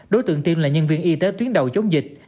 đối tượng tiêm là nhân viên y tế tuyến đầu chống dịch